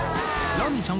ラミちゃん。